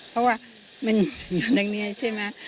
เพราะว่าตัวใจอยู่หนึ่งในนี้ใช่ไหม